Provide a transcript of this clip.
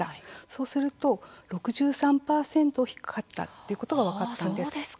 そうすると６３％低かったということが分かったんです。